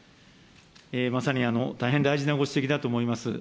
まさに大変大事なご指摘だと思います。